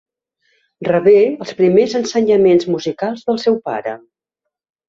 Rebé els primers ensenyaments musicals del seu pare.